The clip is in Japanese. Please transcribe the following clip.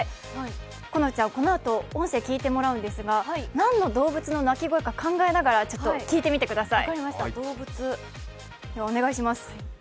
このあと音声を聞いてもらうんですが、何の動物の鳴き声か考えながら聞いてみてください。